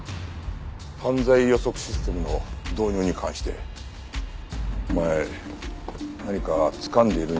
犯罪予測システムの導入に関してお前何かつかんでいるんじゃないのか？